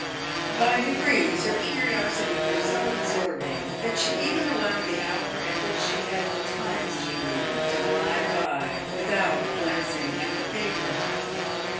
By degrees her curiosity grew so absorbing that she even allowed the hour at which she had the Times to read to glide by without even glancing at the paper.